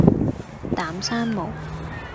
膽生毛